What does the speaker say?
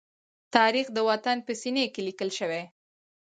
تاریخ د وطن په سینې کې لیکل شوی.